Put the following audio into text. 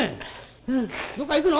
「どっか行くの？」。